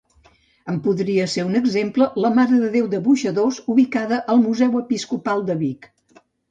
En podria ser un exemple la Marededéu de Boixadors ubicada al Museu Episcopal de Vic.